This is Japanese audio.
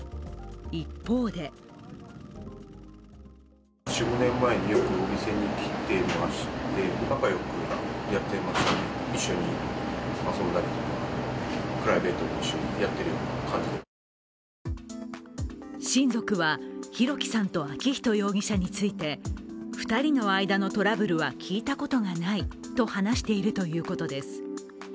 一方で親族は弘輝さんと昭仁容疑者について２人の間のトラブルは聞いたことがないと話しているということです